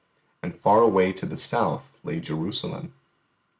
And far away to the south lay Jerusalem....